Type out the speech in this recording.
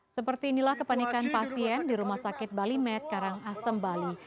seperti inilah kepanikan pasien di rumah sakit bali med karangasem bali